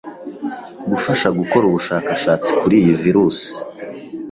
gufasha gukora ubushakashatsi kuri iyi virus.